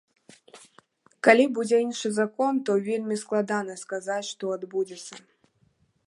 Калі будзе іншы закон, то вельмі складана сказаць, што адбудзецца.